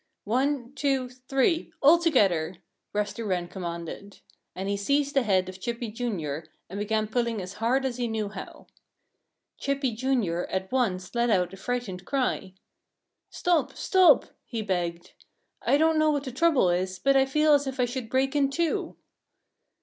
"One, two, three all together!" Rusty Wren commanded. And he seized the head of Chippy, Jr., and began pulling as hard as he knew how. Chippy, Jr., at once let out a frightened cry. "Stop! stop!" he begged. "I don't know what the trouble is, but I feel as if I should break in two!"